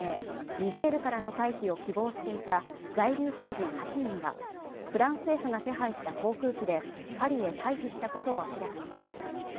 ニジェールからの退避を希望していた在留邦人８人がフランス政府が手配した航空機でパリへ退避したことを明らかにしました